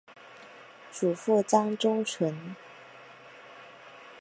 祖父张宗纯。